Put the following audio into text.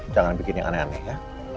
jangan bikin yang aneh aneh ya